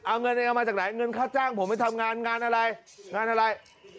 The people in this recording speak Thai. เอาเงินถึงออกมาจากไหนเงินข้าจ้างผมไม่ทำงานงานอะไร